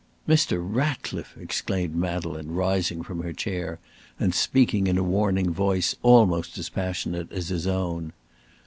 "Mr. Ratcliffe!" exclaimed Madeleine, rising from her chair, and speaking in a warning voice almost as passionate as his own.